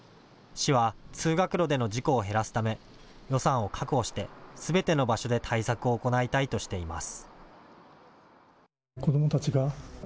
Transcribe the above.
市は通学路での事故を減らすため予算を確保して、すべての場所で対策を行いたいとしています。